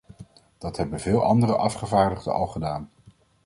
Dat hebben veel andere afgevaardigden al gedaan.